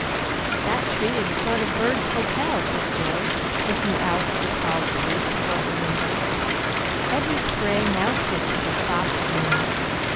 "That tree is a sort of bird's hotel," said Jill, looking out at the tall spruce before her window, every spray now tipped with a soft green.